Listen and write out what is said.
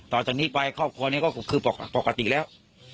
จากนี้ไปครอบครัวนี้ก็คือปกติแล้ว